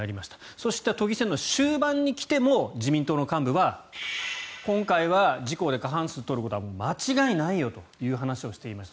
そして都議選の終盤に来ても自民党の幹部は今回は自公で過半数を取ることは間違いないよという話をしていました。